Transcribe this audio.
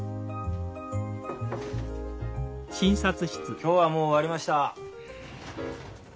今日はもう終わりました。